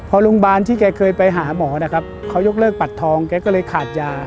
พอโรงพยาบาลที่แกเคยไปหาหมอนะครับเขายกเลิกปัดทองแกก็เลยขาดยา